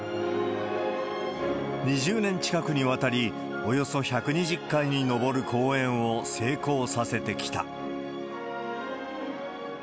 ２０年近くにわたり、およそ１２０回に上る公演を成功させてきた。